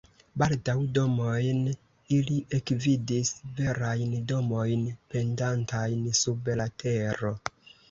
Baldaŭ domojn ili ekvidis, verajn domojn pendantajn sub la tero.